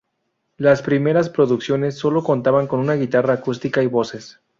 Las primeras producciones sólo contaban con una guitarra acústica y voces.